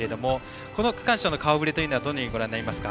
この区間賞の顔ぶれはどのようにご覧になりますか？